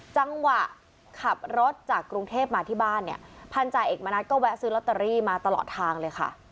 จังหวะขับรถจากกรุงเทพมาที่บ้านเนี่ยพันธาเอกมณัฐก็แวะซื้อลอตเตอรี่มาตลอดทางเลยค่ะ